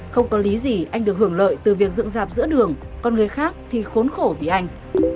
không có lý gì anh được hưởng lợi từ việc dựng dạp giữa đường con người khác thì khốn khổ vì anh